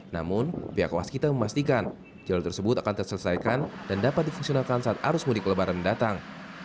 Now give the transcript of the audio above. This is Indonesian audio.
namun pihak waskita memastikan jalur tersebut akan terselesaikan dan dapat difungsionalkan saat arus mudik lebaran mendatang